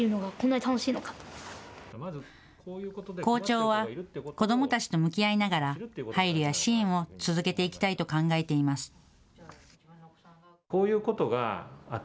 校長は子どもたちと向き合いながら配慮や支援を続けていきたいと考えています。